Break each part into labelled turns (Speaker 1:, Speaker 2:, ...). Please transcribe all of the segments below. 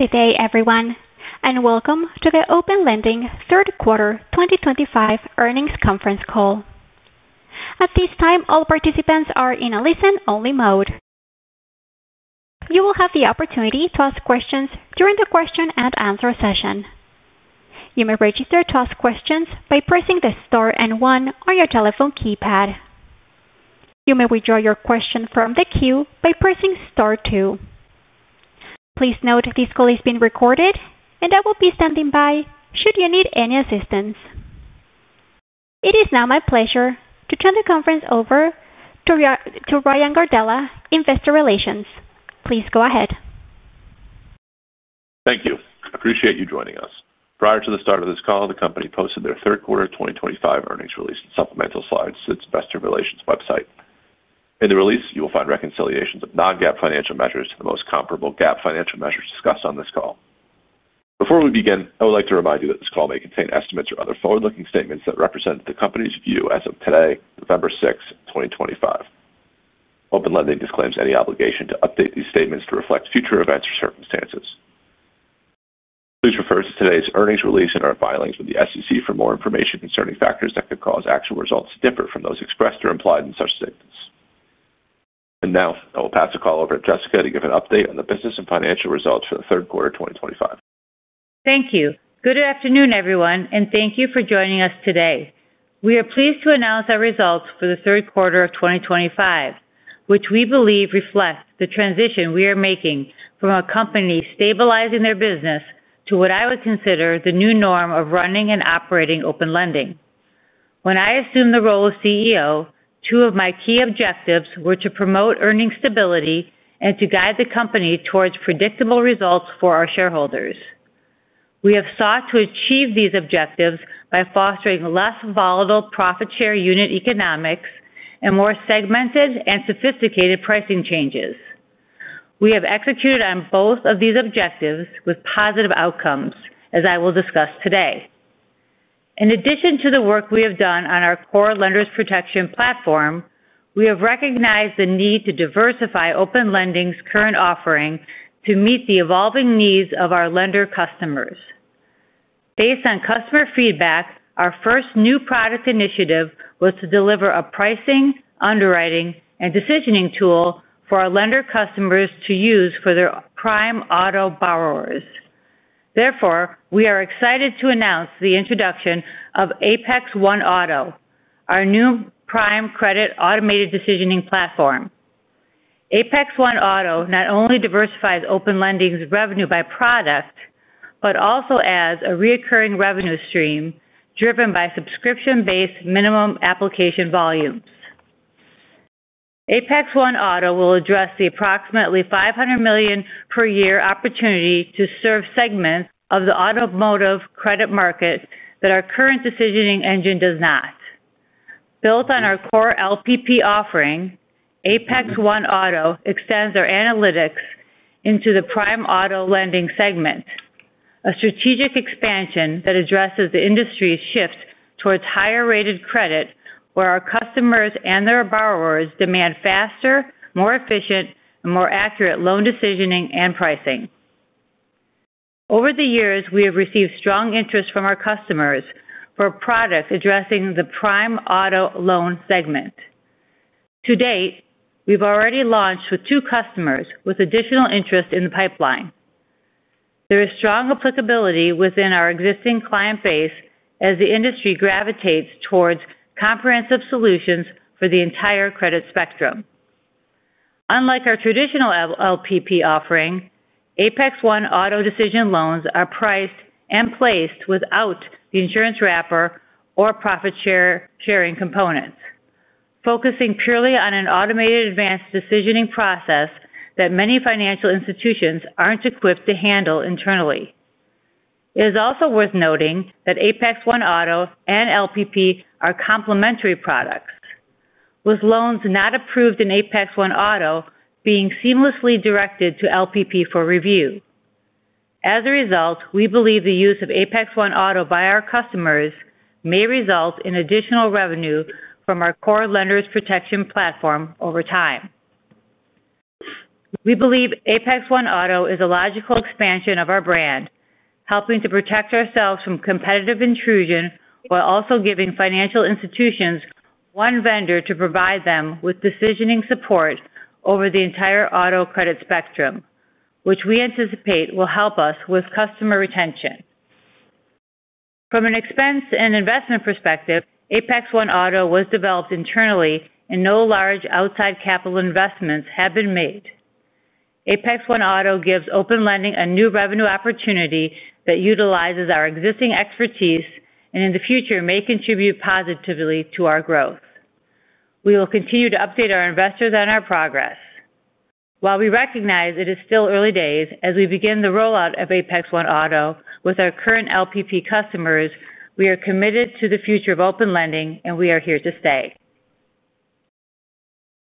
Speaker 1: Today, everyone, and welcome to the Open Lending Third Quarter 2025 earnings conference call. At this time, all participants are in a listen-only mode. You will have the opportunity to ask questions during the question-and-answer session. You may register to ask questions by pressing the star and one on your telephone keypad. You may withdraw your question from the queue by pressing star two. Please note this call is being recorded, and I will be standing by should you need any assistance. It is now my pleasure to turn the conference over to Ryan Gardella, Investor Relations. Please go ahead.
Speaker 2: Thank you. I appreciate you joining us. Prior to the start of this call, the company posted their third quarter 2025 earnings release and supplemental slides to its Investor Relations website. In the release, you will find reconciliations of non-GAAP financial measures to the most comparable GAAP financial measures discussed on this call. Before we begin, I would like to remind you that this call may contain estimates or other forward-looking statements that represent the company's view as of today, November 6th, 2025. Open Lending disclaims any obligation to update these statements to reflect future events or circumstances. Please refer to today's earnings release and our filings with the SEC for more information concerning factors that could cause actual results to differ from those expressed or implied in such statements. I will pass the call over to Jessica to give an update on the business and financial results for third quarter 2025.
Speaker 3: Thank you. Good afternoon, everyone, and thank you for joining us today. We are pleased to announce our results for the third quarter of 2025, which we believe reflects the transition we are making from a company stabilizing their business to what I would consider the new norm of running and operating Open Lending. When I assumed the role of CEO, two of my key objectives were to promote earnings stability and to guide the company towards predictable results for our shareholders. We have sought to achieve these objectives by fostering less volatile profit-share unit economics and more segmented and sophisticated pricing changes. We have executed on both of these objectives with positive outcomes, as I will discuss today. In addition to the work we have done on our core Lenders' Protection Platform, we have recognized the need to diversify Open Lending's current offering to meet the evolving needs of our lender customers. Based on customer feedback, our first new product initiative was to deliver a pricing, underwriting, and decisioning tool for our lender customers to use for their prime auto borrowers. Therefore, we are excited to announce the introduction of Apex One Auto, our new prime credit automated decisioning platform. Apex One Auto not only diversifies Open Lending's revenue by product but also adds a recurring revenue stream driven by subscription-based minimum application volumes. Apex One Auto will address the approximately $500 million per year opportunity to serve segments of the automotive credit market that our current decisioning engine does not. Built on our core LPP offering, Apex One Auto extends our analytics into the prime auto lending segment. A strategic expansion that addresses the industry's shift towards higher-rated credit, where our customers and their borrowers demand faster, more efficient, and more accurate loan decisioning and pricing. Over the years, we have received strong interest from our customers for a product addressing the prime auto loan segment. To date, we've already launched with two customers with additional interest in the pipeline. There is strong applicability within our existing client base as the industry gravitates towards comprehensive solutions for the entire credit spectrum. Unlike our traditional LPP offering, Apex One Auto decision loans are priced and placed without the insurance wrapper or profit-sharing components, focusing purely on an automated advanced decisioning process that many financial institutions aren't equipped to handle internally. It is also worth noting that Apex One Auto and LPP are complementary products, with loans not approved in Apex One Auto being seamlessly directed to LPP for review. As a result, we believe the use of Apex One Auto by our customers may result in additional revenue from our core Lenders' Protection Platform over time. We believe Apex One Auto is a logical expansion of our brand, helping to protect ourselves from competitive intrusion while also giving financial institutions one vendor to provide them with decisioning support over the entire auto credit spectrum, which we anticipate will help us with customer retention. From an expense and investment perspective, Apex One Auto was developed internally, and no large outside capital investments have been made. Apex One Auto gives Open Lending a new revenue opportunity that utilizes our existing expertise and in the future may contribute positively to our growth. We will continue to update our investors on our progress. While we recognize it is still early days as we begin the rollout of Apex One Auto with our current LPP customers, we are committed to the future of Open Lending, and we are here to stay.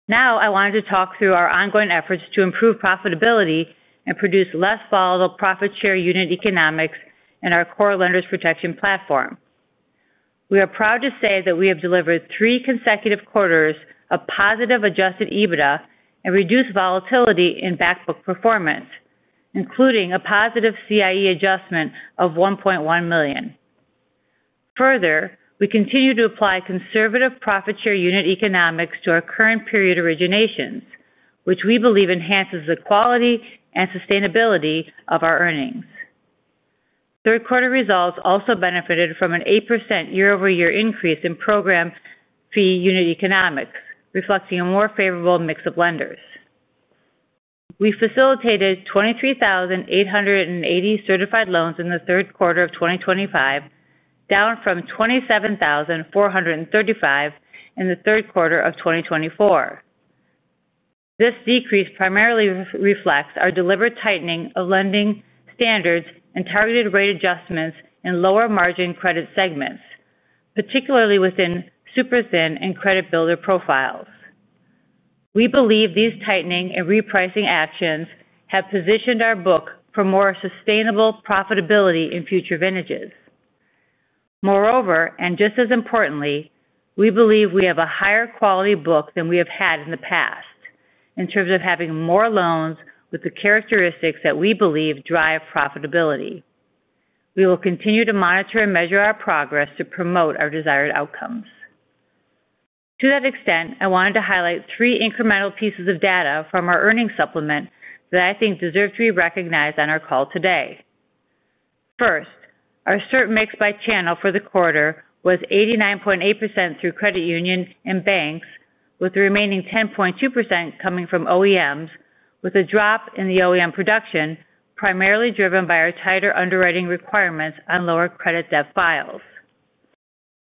Speaker 3: Now, I wanted to talk through our ongoing efforts to improve profitability and produce less volatile profit-share unit economics in our core Lenders' Protection Platform. We are proud to say that we have delivered three consecutive quarters of positive Adjusted EBITDA and reduced volatility in backbook performance, including a positive CIE adjustment of $1.1 million. Further, we continue to apply conservative profit-share unit economics to our current period originations, which we believe enhances the quality and sustainability of our earnings. Third quarter results also benefited from an 8% year-over-year increase in program fee unit economics, reflecting a more favorable mix of lenders. We facilitated 23,880 certified loans in the third quarter of 2025, down from 27,435 in the third quarter of 2024. This decrease primarily reflects our deliberate tightening of lending standards and targeted rate adjustments in lower-margin credit segments, particularly within super thin and credit-builder profiles. We believe these tightening and repricing actions have positioned our book for more sustainable profitability in future vintages. Moreover, and just as importantly, we believe we have a higher quality book than we have had in the past, in terms of having more loans with the characteristics that we believe drive profitability. We will continue to monitor and measure our progress to promote our desired outcomes. To that extent, I wanted to highlight three incremental pieces of data from our earnings supplement that I think deserve to be recognized on our call today. First, our CERT mix by channel for the quarter was 89.8% through credit union and banks, with the remaining 10.2% coming from OEMs, with a drop in the OEM production primarily driven by our tighter underwriting requirements on lower credit debt files.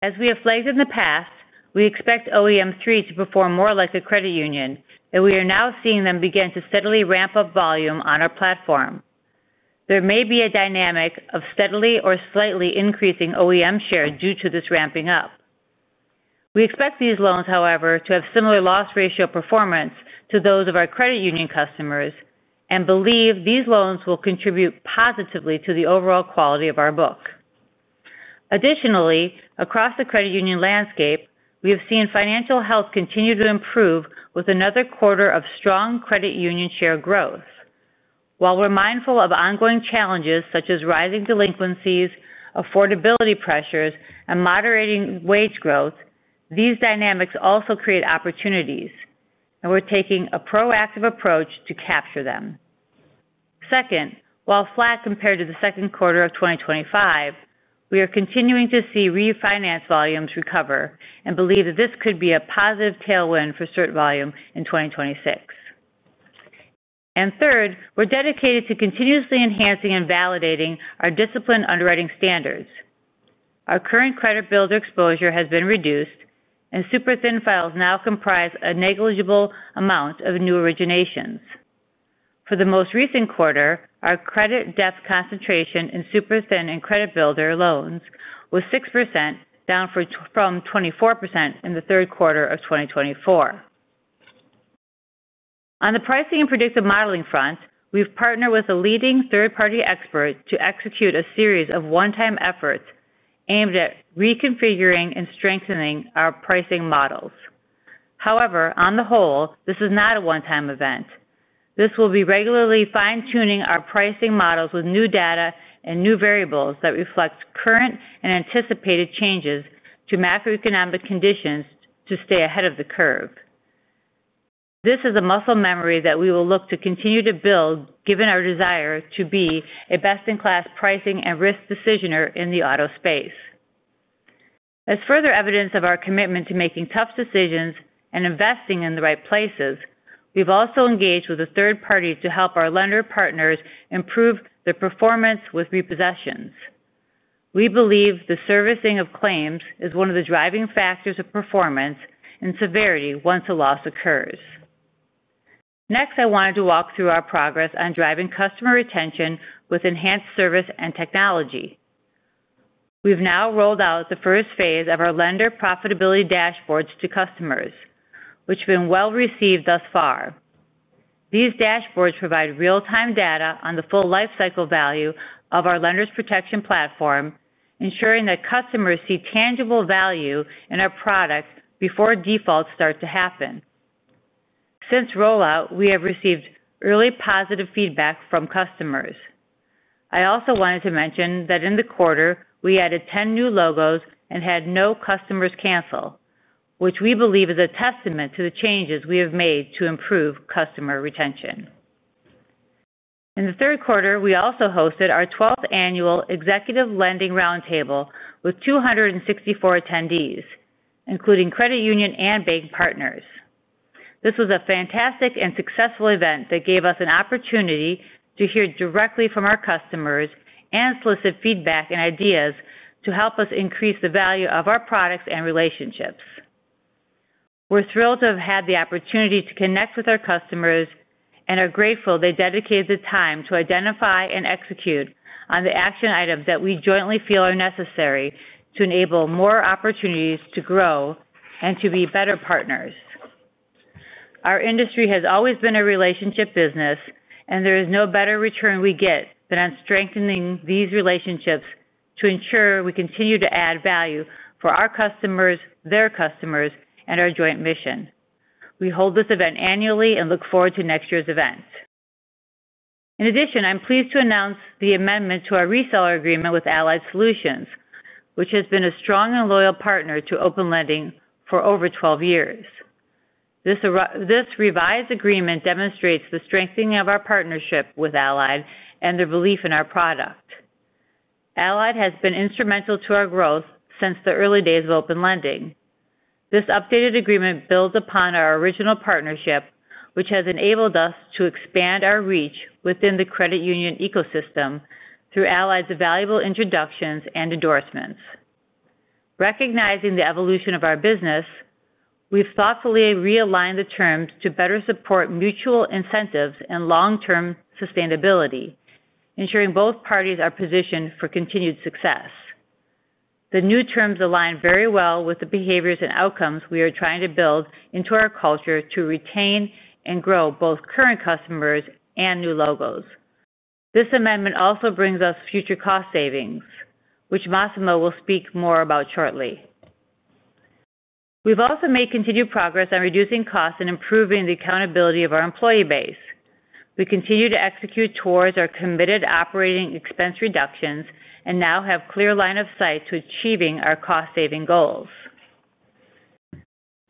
Speaker 3: As we have flagged in the past, we expect OEM 3 to perform more like a credit union, and we are now seeing them begin to steadily ramp up volume on our platform. There may be a dynamic of steadily or slightly increasing OEM share due to this ramping up. We expect these loans, however, to have similar loss ratio performance to those of our credit union customers and believe these loans will contribute positively to the overall quality of our book. Additionally, across the credit union landscape, we have seen financial health continue to improve with another quarter of strong credit union share growth. While we're mindful of ongoing challenges such as rising delinquencies, affordability pressures, and moderating wage growth, these dynamics also create opportunities, and we're taking a proactive approach to capture them. Second, while flat compared to the Q2 of 2025, we are continuing to see refinance volumes recover and believe that this could be a positive tailwind for CERT volume in 2026. Third, we're dedicated to continuously enhancing and validating our disciplined underwriting standards. Our current credit builder exposure has been reduced, and super thin files now comprise a negligible amount of new originations. For the most recent quarter, our credit debt concentration in super thin and credit builder loans was 6%, down from 24% in the third quarter of 2024. On the pricing and predictive modeling front, we've partnered with a leading third-party expert to execute a series of one-time efforts aimed at reconfiguring and strengthening our pricing models. However, on the whole, this is not a one-time event. This will be regularly fine-tuning our pricing models with new data and new variables that reflect current and anticipated changes to macroeconomic conditions to stay ahead of the curve. This is a muscle memory that we will look to continue to build, given our desire to be a best-in-class pricing and risk decisioner in the auto space. As further evidence of our commitment to making tough decisions and investing in the right places, we've also engaged with a third party to help our lender partners improve their performance with repossessions. We believe the servicing of claims is one of the driving factors of performance and severity once a loss occurs. Next, I wanted to walk through our progress on driving customer retention with enhanced service and technology. We've now rolled out the first phase of our lender profitability dashboards to customers, which have been well received thus far. These dashboards provide real-time data on the full lifecycle value of our Lenders' Protection Platform, ensuring that customers see tangible value in our products before defaults start to happen. Since rollout, we have received early positive feedback from customers. I also wanted to mention that in the quarter, we added 10 new logos and had no customers cancel, which we believe is a testament to the changes we have made to improve customer retention. In the third quarter, we also hosted our 12th annual Executive Lending Roundtable with 264 attendees, including credit union and bank partners. This was a fantastic and successful event that gave us an opportunity to hear directly from our customers and solicit feedback and ideas to help us increase the value of our products and relationships. We're thrilled to have had the opportunity to connect with our customers and are grateful they dedicated the time to identify and execute on the action items that we jointly feel are necessary to enable more opportunities to grow and to be better partners. Our industry has always been a relationship business, and there is no better return we get than on strengthening these relationships to ensure we continue to add value for our customers, their customers, and our joint mission. We hold this event annually and look forward to next year's event. In addition, I'm pleased to announce the amendment to our reseller agreement with Allied Solutions, which has been a strong and loyal partner to Open Lending for over 12 years. This revised agreement demonstrates the strengthening of our partnership with Allied and their belief in our product. Allied has been instrumental to our growth since the early days of Open Lending. This updated agreement builds upon our original partnership, which has enabled us to expand our reach within the credit union ecosystem through Allied's valuable introductions and endorsements. Recognizing the evolution of our business, we've thoughtfully realigned the terms to better support mutual incentives and long-term sustainability, ensuring both parties are positioned for continued success. The new terms align very well with the behaviors and outcomes we are trying to build into our culture to retain and grow both current customers and new logos. This amendment also brings us future cost savings, which Massimo will speak more about shortly. We've also made continued progress on reducing costs and improving the accountability of our employee base. We continue to execute towards our committed operating expense reductions and now have a clear line of sight to achieving our cost-saving goals.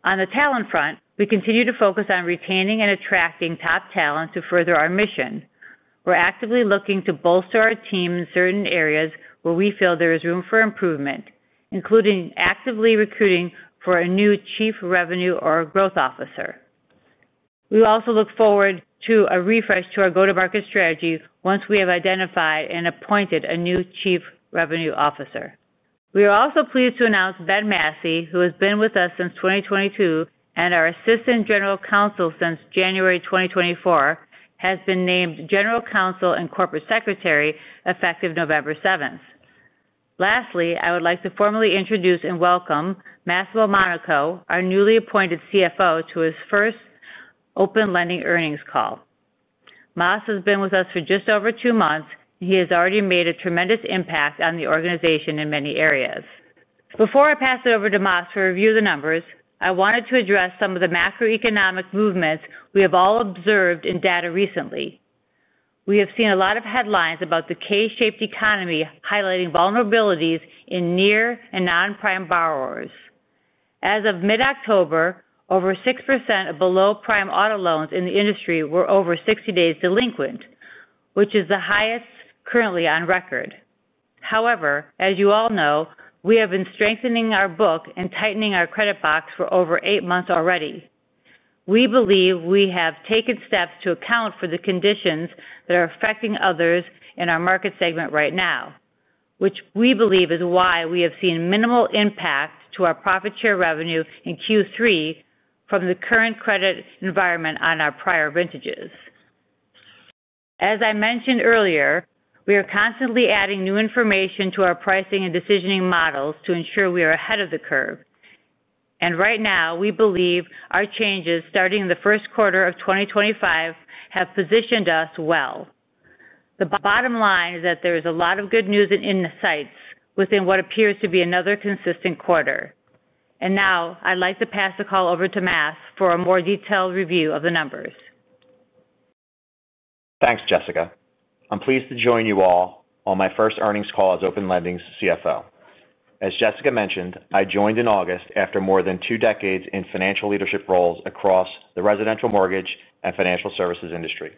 Speaker 3: On the talent front, we continue to focus on retaining and attracting top talent to further our mission. We're actively looking to bolster our team in certain areas where we feel there is room for improvement, including actively recruiting for a new Chief Revenue or Growth Officer. We also look forward to a refresh to our go-to-market strategy once we have identified and appointed a new Chief Revenue Officer. We are also pleased to announce Ben Massey, who has been with us since 2022 and our Assistant General Counsel since January 2024, has been named General Counsel and Corporate Secretary effective November 7th. Lastly, I would like to formally introduce and welcome Massimo Monaco, our newly appointed CFO, to his first Open Lending earnings call. Mass has been with us for just over two months, and he has already made a tremendous impact on the organization in many areas. Before I pass it over to Mass to review the numbers, I wanted to address some of the macroeconomic movements we have all observed in data recently. We have seen a lot of headlines about the K-shaped economy highlighting vulnerabilities in near and non-prime borrowers. As of mid-October, over 6% of below-prime auto loans in the industry were over 60 days delinquent, which is the highest currently on record. However, as you all know, we have been strengthening our book and tightening our credit box for over eight months already. We believe we have taken steps to account for the conditions that are affecting others in our market segment right now. Which we believe is why we have seen minimal impact to our profit-share revenue in Q3 from the current credit environment on our prior vintages. As I mentioned earlier, we are constantly adding new information to our pricing and decisioning models to ensure we are ahead of the curve. Right now, we believe our changes starting in the Q1 of 2025 have positioned us well. The bottom line is that there is a lot of good news and insights within what appears to be another consistent quarter. Now, I'd like to pass the call over to Mass for a more detailed review of the numbers.
Speaker 4: Thanks, Jessica. I'm pleased to join you all on my first earnings call as Open Lending's CFO. As Jessica mentioned, I joined in August after more than two decades in financial leadership roles across the residential mortgage and financial services industry.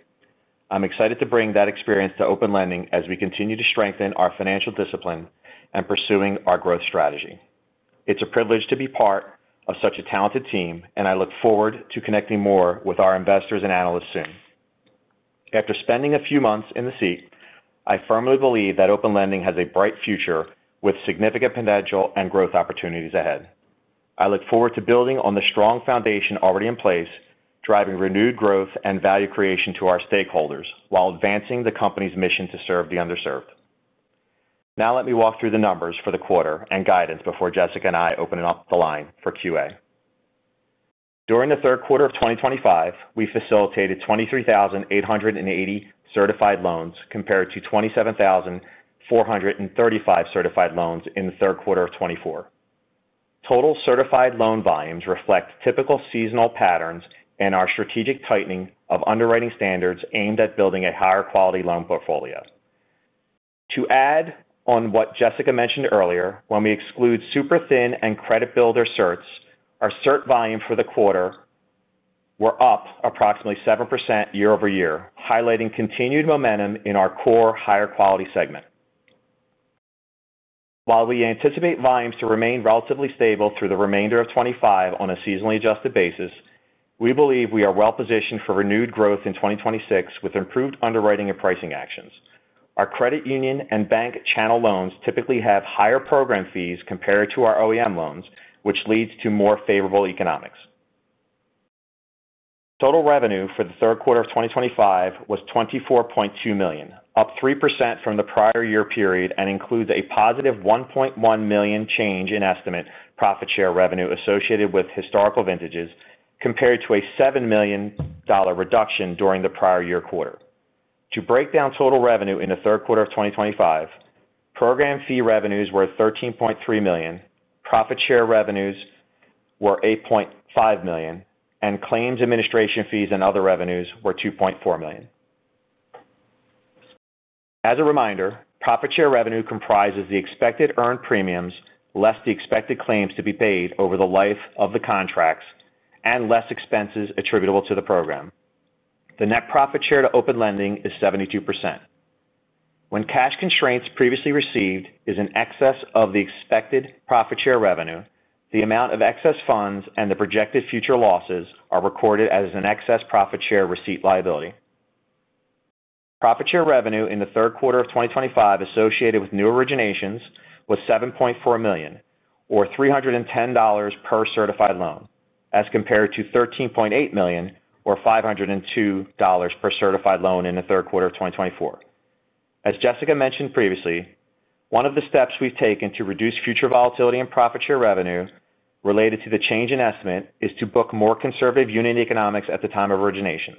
Speaker 4: I'm excited to bring that experience to Open Lending as we continue to strengthen our financial discipline and pursuing our growth strategy. It's a privilege to be part of such a talented team, and I look forward to connecting more with our investors and analysts soon. After spending a few months in the seat, I firmly believe that Open Lending has a bright future with significant potential and growth opportunities ahead. I look forward to building on the strong foundation already in place, driving renewed growth and value creation to our stakeholders while advancing the company's mission to serve the underserved. Now, let me walk through the numbers for the quarter and guidance before Jessica and I open up the line for Q&A. During the third quarter of 2025, we facilitated 23,880 certified loans compared to 27,435 certified loans in the third quarter of 2024. Total certified loan volumes reflect typical seasonal patterns and our strategic tightening of underwriting standards aimed at building a higher-quality loan portfolio. To add on what Jessica mentioned earlier, when we exclude super thin and credit builder certs, our CERT volume for the quarter were up approximately 7% year-over-year, highlighting continued momentum in our core higher-quality segment. While we anticipate volumes to remain relatively stable through the remainder of 2025 on a seasonally adjusted basis, we believe we are well positioned for renewed growth in 2026 with improved underwriting and pricing actions. Our credit union and bank channel loans typically have higher program fees compared to our OEM loans, which leads to more favorable economics. Total revenue for the third quarter of 2025 was $24.2 million, up 3% from the prior year period and includes a positive $1.1 million change in estimate profit-share revenue associated with historical vintages compared to a $7 million reduction during the prior year quarter. To break down total revenue in the third quarter of 2025, program fee revenues were $13.3 million, profit-share revenues were $8.5 million, and claims administration fees and other revenues were $2.4 million. As a reminder, profit-share revenue comprises the expected earned premiums less the expected claims to be paid over the life of the contracts and less expenses attributable to the program. The net profit share to Open Lending is 72%. When cash constraints previously received is in excess of the expected profit-share revenue, the amount of excess funds and the projected future losses are recorded as an excess profit-share receipt liability. Profit-share revenue in the third quarter of 2025 associated with new originations was $7.4 million, or $310 per certified loan, as compared to $13.8 million, or $502 per certified loan in the third quarter of 2024. As Jessica mentioned previously, one of the steps we've taken to reduce future volatility in profit-share revenue related to the change in estimate is to book more conservative unit economics at the time of originations.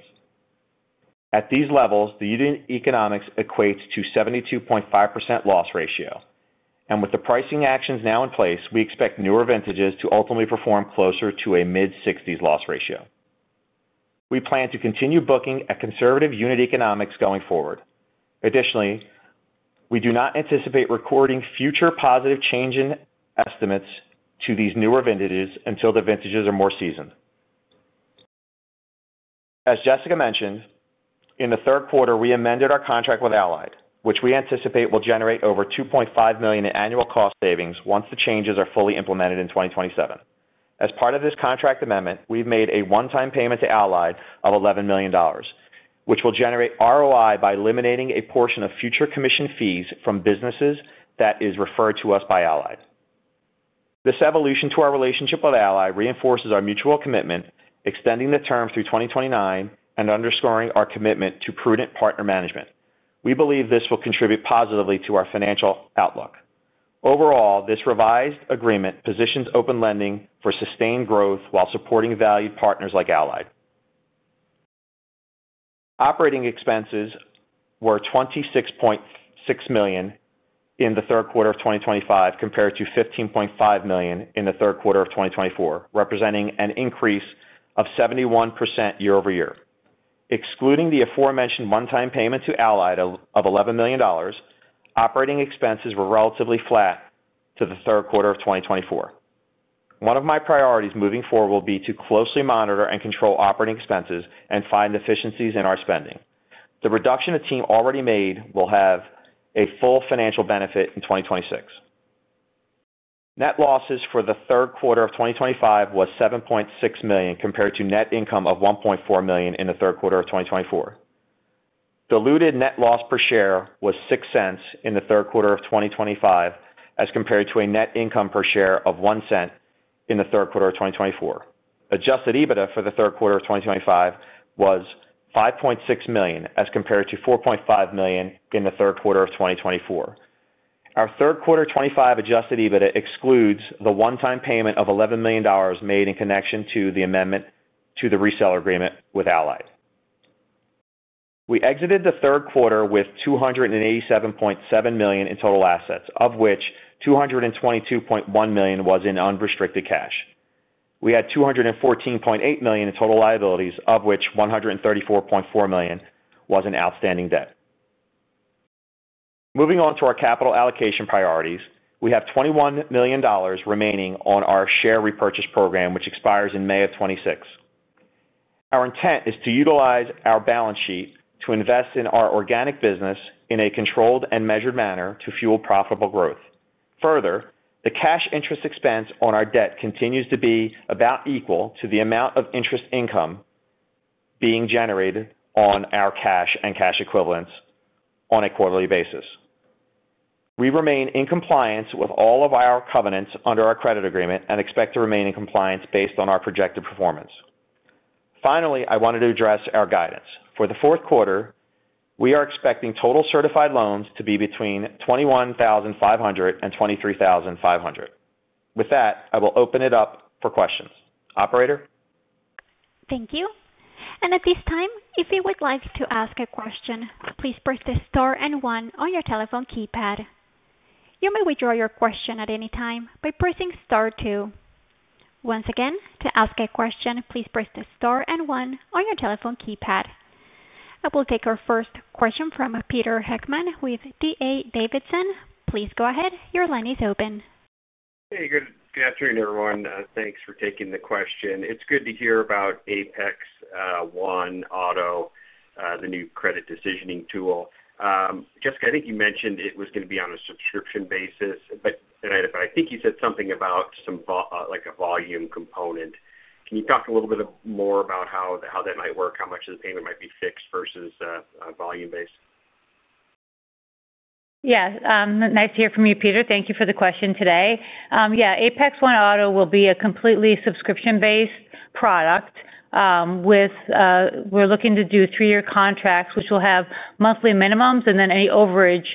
Speaker 4: At these levels, the unit economics equates to a 72.5% loss ratio. With the pricing actions now in place, we expect newer vintages to ultimately perform closer to a mid-60s loss ratio. We plan to continue booking at conservative unit economics going forward. Additionally, we do not anticipate recording future positive change in estimates to these newer vintages until the vintages are more seasoned. As Jessica mentioned, in the third quarter, we amended our contract with Allied, which we anticipate will generate over $2.5 million in annual cost savings once the changes are fully implemented in 2027. As part of this contract amendment, we've made a one-time payment to Allied of $11 million, which will generate ROI by eliminating a portion of future commission fees from businesses that are referred to us by Allied. This evolution to our relationship with Allied reinforces our mutual commitment, extending the term through 2029 and underscoring our commitment to prudent partner management. We believe this will contribute positively to our financial outlook. Overall, this revised agreement positions Open Lending for sustained growth while supporting valued partners like Allied. Operating expenses were $26.6 million in the third quarter of 2025 compared to $15.5 million in the third quarter of 2024, representing an increase of 71% year-over-year. Excluding the aforementioned one-time payment to Allied of $11 million, operating expenses were relatively flat through the third quarter of 2024. One of my priorities moving forward will be to closely monitor and control operating expenses and find deficiencies in our spending. The reduction the team already made will have a full financial benefit in 2026. Net losses for the third quarter of 2025 was $7.6 million compared to net income of $1.4 million in the third quarter of 2024. Diluted net loss per share was $0.06 in the third quarter of 2025 as compared to a net income per share of $0.01 in the third quarter of 2024. Adjusted EBITDA for the third quarter of 2025 was $5.6 million as compared to $4.5 million in the third quarter of 2024. Our third quarter 2025 Adjusted EBITDA excludes the one-time payment of $11 million made in connection to the amendment to the reseller agreement with Allied. We exited the third quarter with $287.7 million in total assets, of which $222.1 million was in unrestricted cash. We had $214.8 million in total liabilities, of which $134.4 million was in outstanding debt. Moving on to our capital allocation priorities, we have $21 million remaining on our share repurchase program, which expires in May of 2026. Our intent is to utilize our balance sheet to invest in our organic business in a controlled and measured manner to fuel profitable growth. Further, the cash interest expense on our debt continues to be about equal to the amount of interest income being generated on our cash and cash equivalents on a quarterly basis. We remain in compliance with all of our covenants under our credit agreement and expect to remain in compliance based on our projected performance. Finally, I wanted to address our guidance. For the Q4, we are expecting total certified loans to be between 21,500 and 23,500. With that, I will open it up for questions. Operator.
Speaker 1: Thank you. At this time, if you would like to ask a question, please press the star and one on your telephone keypad. You may withdraw your question at any time by pressing star two. Once again, to ask a question, please press the star and one on your telephone keypad. I will take our first question from Pete Heckmann with D.A. Davidson. Please go ahead. Your line is open.
Speaker 5: Hey, good afternoon, everyone. Thanks for taking the question. It's good to hear about Apex One Auto, the new credit decisioning tool. Jessica, I think you mentioned it was going to be on a subscription basis, but I think you said something about some volume component. Can you talk a little bit more about how that might work, how much of the payment might be fixed versus a volume-based?
Speaker 3: Yeah. Nice to hear from you, Pete. Thank you for the question today. Yeah, Apex One Auto will be a completely subscription-based product. We're looking to do three-year contracts, which will have monthly minimums, and then any overage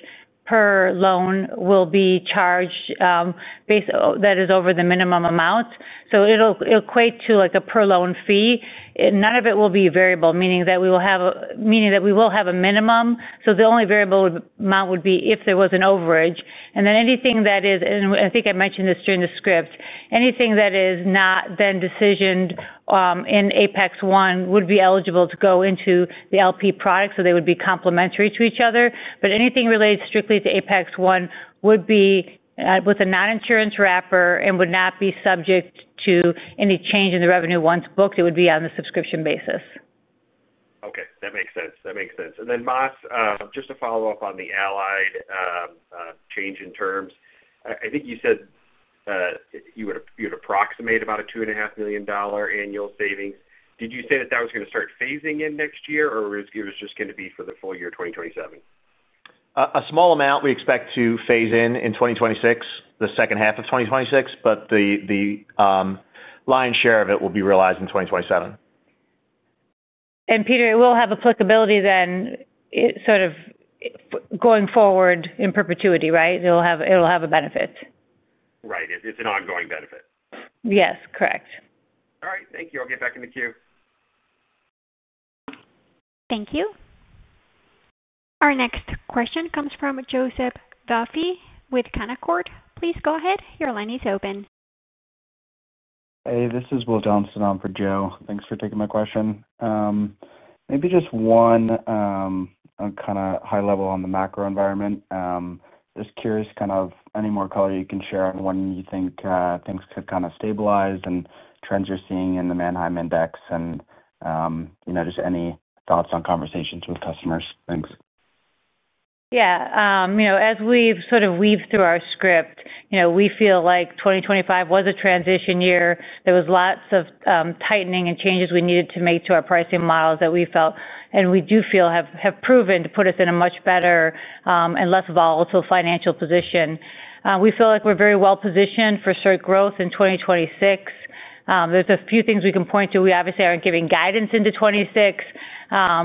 Speaker 3: per loan will be charged. That is over the minimum amount. It will equate to a per-loan fee. None of it will be variable, meaning that we will have a minimum. The only variable amount would be if there was an overage. Anything that is—and I think I mentioned this during the script—anything that is not then decisioned in Apex One would be eligible to go into the LP product, so they would be complementary to each other. Anything related strictly to Apex One would be with a non-insurance wrapper and would not be subject to any change in the revenue once booked. It would be on the subscription basis.
Speaker 5: Okay. That makes sense. That makes sense. Mass, just to follow up on the Allied. Change in terms, I think you said. You would approximate about a $2.5 million annual savings. Did you say that that was going to start phasing in next year, or it was just going to be for the full year 2027?
Speaker 4: A small amount we expect to phase in in 2026, the second half of 2026, but the lion's share of it will be realized in 2027.
Speaker 3: Pete, it will have applicability then. Sort of going forward in perpetuity, right? It'll have a benefit.
Speaker 5: Right. It's an ongoing benefit.
Speaker 3: Yes. Correct.
Speaker 5: All right. Thank you. I'll get back in the queue.
Speaker 1: Thank you. Our next question comes from Joseph Vafi with Canaccord. Please go ahead. Your line is open.
Speaker 6: Hey, this is Will Johnson. I'm for Joe. Thanks for taking my question. Maybe just one. Kind of high level on the macro environment. Just curious kind of any more color you can share on when you think things could kind of stabilize and trends you're seeing in the Manheim Index and just any thoughts on conversations with customers. Thanks.
Speaker 3: Yeah. As we've sort of weaved through our script, we feel like 2025 was a transition year. There was lots of tightening and changes we needed to make to our pricing models that we felt and we do feel have proven to put us in a much better and less volatile financial position. We feel like we're very well positioned for certain growth in 2026. There's a few things we can point to. We obviously aren't giving guidance into 2026.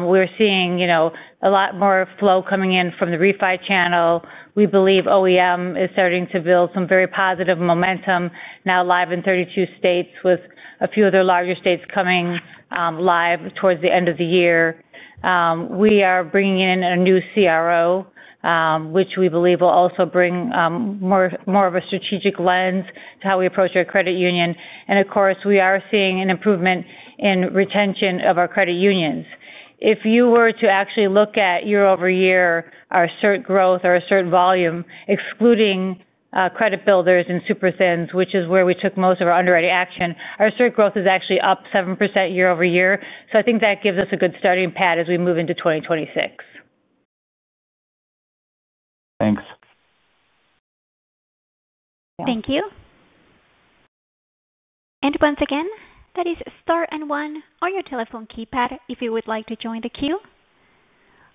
Speaker 3: We're seeing a lot more flow coming in from the refi channel. We believe OEM is starting to build some very positive momentum now live in 32 states with a few of their larger states coming live towards the end of the year. We are bringing in a new CRO, which we believe will also bring more of a strategic lens to how we approach our credit union. Of course, we are seeing an improvement in retention of our credit unions. If you were to actually look at year-over-year, our CERT growth or our CERT volume, excluding credit builders and super thins, which is where we took most of our underwriting action, our CERT growth is actually up 7% year-over-year. I think that gives us a good starting pad as we move into 2026.
Speaker 6: Thanks.
Speaker 1: Thank you. Once again, that is star and one on your telephone keypad if you would like to join the queue.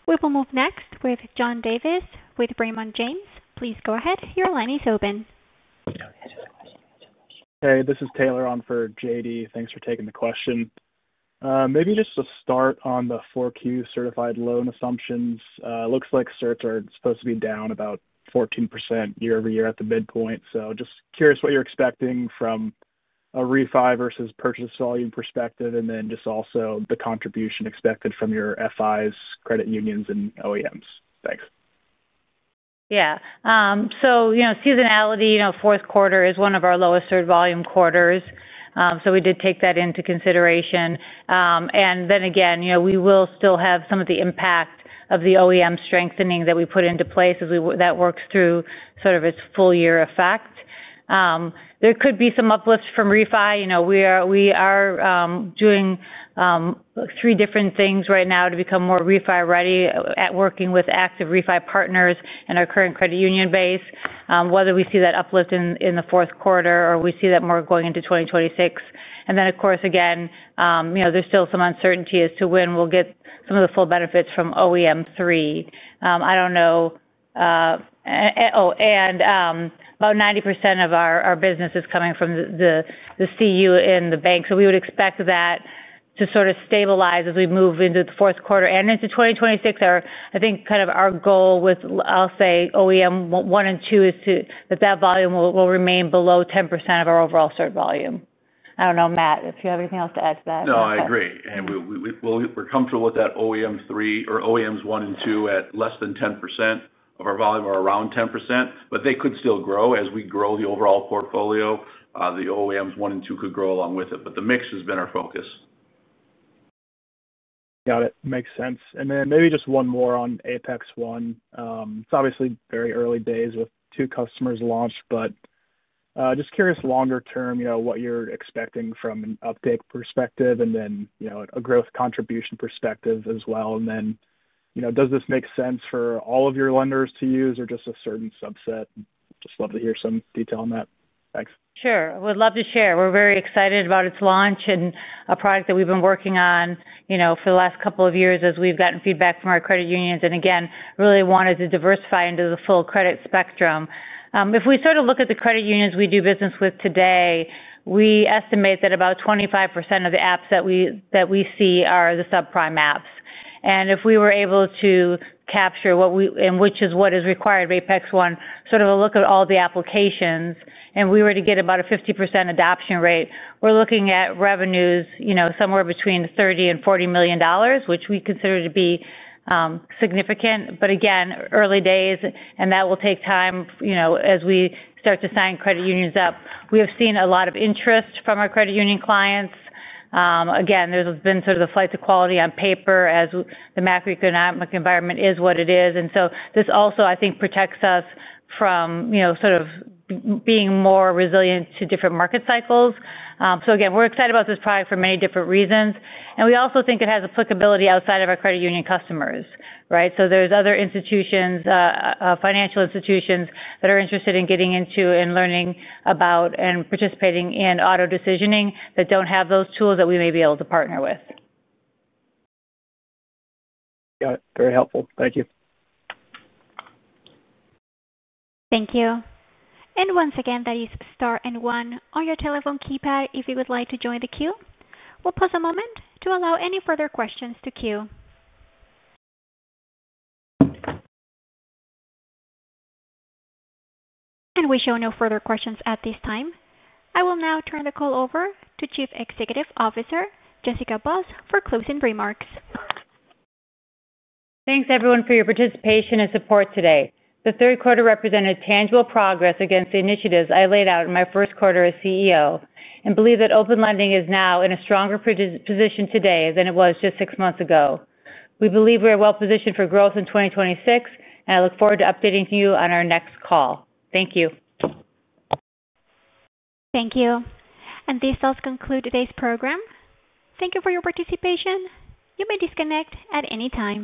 Speaker 1: We will move next with John Davis with Raymond James. Please go ahead. Your line is open.
Speaker 7: Hey, this is Taylor on for JD. Thanks for taking the question. Maybe just to start on the fourth quarter certified loan assumptions. It looks like CERTs are supposed to be down about 14% year-over-year at the midpoint. Just curious what you're expecting from a refi versus purchase volume perspective, and then also the contribution expected from your FIs, credit unions, and OEMs. Thanks.
Speaker 3: Yeah. Seasonality, fourth quarter is one of our lowest CERT volume quarters. We did take that into consideration. We will still have some of the impact of the OEM strengthening that we put into place as that works through its full year effect. There could be some uplift from refi. We are doing three different things right now to become more refi-ready at working with active refi partners and our current credit union base, whether we see that uplift in the fourth quarter or we see that more going into 2026. Of course, there is still some uncertainty as to when we will get some of the full benefits from OEM 3. I do not know. About 90% of our business is coming from the CU and the bank. We would expect that to stabilize as we move into the fourth quarter and into 2026. I think kind of our goal with, I'll say, OEM 1 and 2 is that that volume will remain below 10% of our overall CERT volume. I don't know, Mass, if you have anything else to add to that.
Speaker 4: No, I agree. And we're comfortable with that OEM 3 or OEMs 1 and 2 at less than 10% of our volume or around 10%. They could still grow as we grow the overall portfolio. The OEMs 1 and 2 could grow along with it. The mix has been our focus.
Speaker 7: Got it. Makes sense. Maybe just one more on Apex One. It's obviously very early days with two customers launched, but just curious longer term what you're expecting from an uptake perspective and then a growth contribution perspective as well. And then does this make sense for all of your lenders to use or just a certain subset? Just love to hear some detail on that. Thanks.
Speaker 3: Sure. We'd love to share. We're very excited about its launch and a product that we've been working on for the last couple of years as we've gotten feedback from our credit unions. Again, really wanted to diversify into the full credit spectrum. If we sort of look at the credit unions we do business with today, we estimate that about 25% of the apps that we see are the subprime apps. If we were able to capture what is required by Apex One, sort of a look at all the applications, and we were to get about a 50% adoption rate, we're looking at revenues somewhere between $30 million and $40 million, which we consider to be significant. Again, early days, and that will take time as we start to sign credit unions up. We have seen a lot of interest from our credit union clients. There has been sort of the flight to quality on paper as the macroeconomic environment is what it is. This also, I think, protects us from being more resilient to different market cycles. We are excited about this product for many different reasons. We also think it has applicability outside of our credit union customers, right? There are other institutions, financial institutions that are interested in getting into and learning about and participating in auto decisioning that do not have those tools that we may be able to partner with.
Speaker 7: Got it. Very helpful. Thank you. Thank you.
Speaker 1: Once again, that is star and one on your telephone keypad if you would like to join the queue. We'll pause a moment to allow any further questions to queue. We show no further questions at this time. I will now turn the call over to Chief Executive Officer Jessica Buss for closing remarks.
Speaker 3: Thanks, everyone, for your participation and support today. The third quarter represented tangible progress against the initiatives I laid out in my first quarter as CEO and believe that Open Lending is now in a stronger position today than it was just six months ago. We believe we are well positioned for growth in 2026, and I look forward to updating you on our next call. Thank you.
Speaker 1: Thank you. This does conclude today's program. Thank you for your participation. You may disconnect at any time.